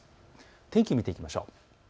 天気を見ていきましょう。